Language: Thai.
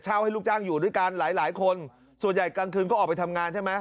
ให้ลูกจ้างอยู่ด้วยกันหลายหลายคนส่วนใหญ่กลางคืนก็ออกไปทำงานใช่ไหม